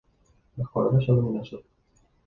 Los colores son luminosos.